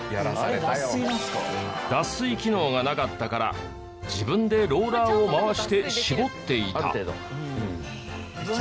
脱水機能がなかったから自分でローラーを回して絞っていた。